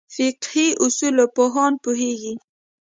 فقهې اصولو پوهان پوهېږي.